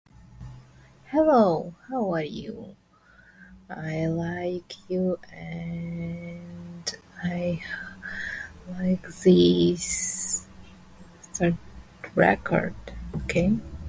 Thus, a finding of advantage does not necessarily lead to a finding of inducement.